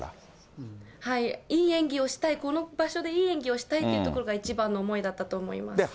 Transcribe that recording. いい演技をしたい、この場所でいい演技をしたいっていうところが一番の思いだったと思います。